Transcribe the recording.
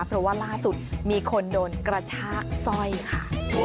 เพราะว่าล่าสุดมีคนโดนกระชากสร้อยค่ะ